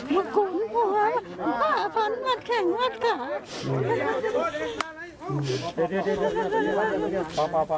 บุคุณหัวหวะฝันแข็งแม่งอาสา